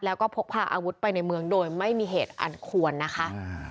แล้วก็พกพาอาวุธไปในเมืองโดยไม่มีเหตุอันควรนะคะ